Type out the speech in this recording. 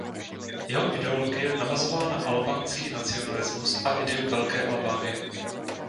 Jeho ideologie navazovala na albánský nacionalismus a ideu Velké Albánie.